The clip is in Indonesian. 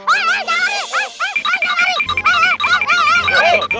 hei jangan lari hei jangan lari